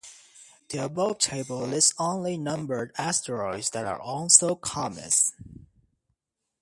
The above table lists only numbered asteroids that are also comets.